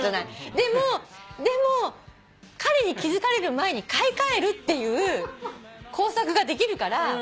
でもでも彼に気付かれる前に買い替えるっていう工作ができるから。